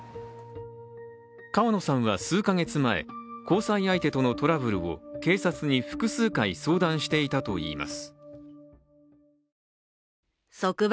川野さんは数か月前、交際相手とのトラブルを警察に複数回相談していたといいます。